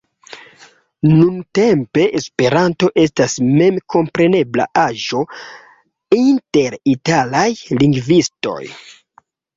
Nuntempe Esperanto estas memkomprenebla aĵo inter italaj lingvistoj.